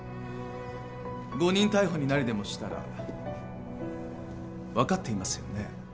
誤認逮捕になりでもしたら分かっていますよね？